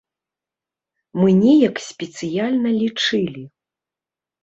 Мы неяк спецыяльна лічылі.